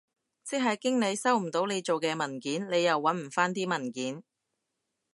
即係經理收唔到你做嘅文件，你又搵唔返啲文件？